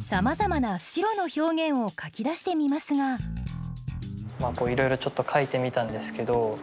さまざまな白の表現を書き出してみますがいろいろちょっと書いてみたんですけど。